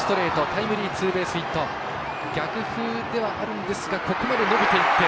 タイムリーツーベースヒット逆風ではあるんですがここまで伸びていって。